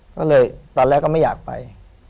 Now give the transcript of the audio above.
ก็เลยตอนแรกก็ไม่อยากไป